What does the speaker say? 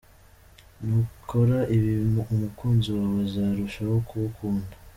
nukora ibi umukunzi wawe azarushaho kugukunda.